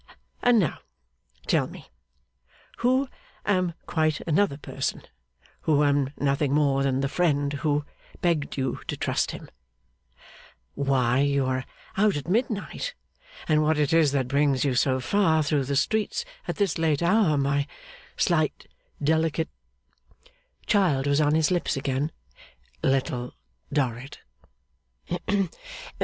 And now tell me, Who am quite another person who am nothing more than the friend who begged you to trust him why you are out at midnight, and what it is that brings you so far through the streets at this late hour, my slight, delicate,' child was on his lips again, 'Little Dorrit!